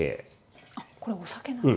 あっこれお酒なんですね。